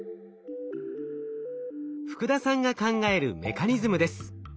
福田さんが考えるメカニズムです。